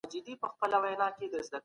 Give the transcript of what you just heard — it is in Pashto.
موږ باید د راتلونکي نسل لپاره فکر وکړو.